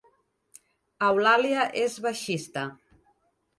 Eulàlia és baixista